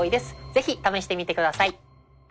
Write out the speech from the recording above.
是非試してみてください！